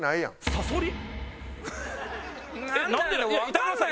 「サソリ」？